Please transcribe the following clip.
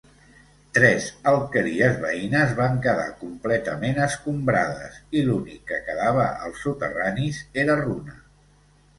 Tres alqueries veïnes van quedar completament escombrades, i l'únic que quedava als soterranis era runa.